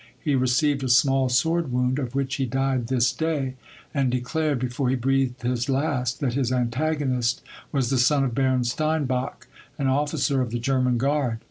He received a small sword wound, of which he died this day : and declared, before he breathed his last, that his antagonist was the son of Baron Steinbach, an officer of the German guard.